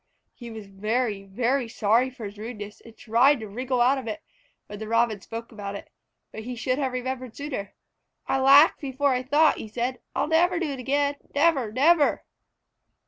He was very, very sorry for his rudeness, and tried to wriggle out of it, when the Robin spoke about it, but he should have remembered sooner. "I laughed before I thought," he said. "I'll never do it again. Never! Never!"